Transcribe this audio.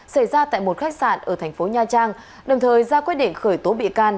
xảy ra tại một khách sạn ở thành phố nha trang đồng thời ra quyết định khởi tố bị can